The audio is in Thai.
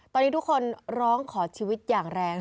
ตอนนี้ทุกคนร้องขอชีวิตอย่างแรง